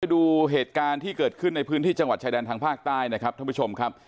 ดูเหตุการณ์ที่เกิดขึ้นในพื้นที่จังหวัดชายแดนทางภาคใต้นะครับท่านผู้ชมครับ